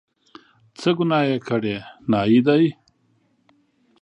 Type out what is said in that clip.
څه ګناه یې کړې، نایي دی.